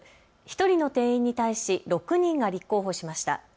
１人の定員に対し６人が立候補しました。